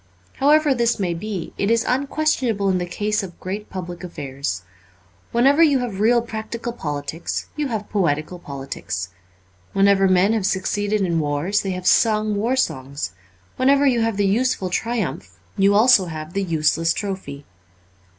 However this may be, it is unquestionable in the case of great public affairs. Whenever you have real practical politics you have poetical politics. When ever men have succeeded in wars they have sung war songs ; whenever you have the useful triumph you have also the useless trophy.